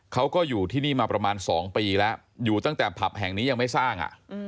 เขาก็อยู่ที่นี่มาประมาณ๒ปีแล้วอยู่ตั้งแต่ผับแห่งนี้ยังไม่สร้าง